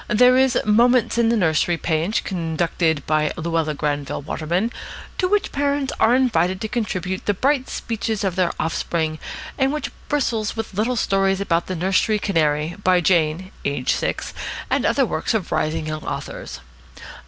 There is a "Moments in the Nursery" page, conducted by Luella Granville Waterman, to which parents are invited to contribute the bright speeches of their offspring, and which bristles with little stories about the nursery canary, by Jane (aged six), and other works of rising young authors.